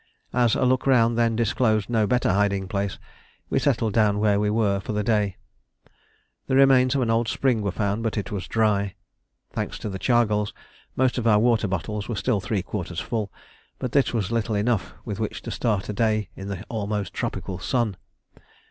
As a look round then disclosed no better hiding place, we settled down where we were for the day. The remains of an old spring were found, but it was dry. Thanks to the chargals, most of our water bottles were still three quarters full; but this was little enough with which to start a day in the almost tropical sun.